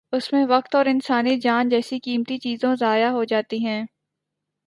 اس میں وقت اور انسانی جان جیسی قیمتی چیزوں ضائع ہو جاتی ہیں۔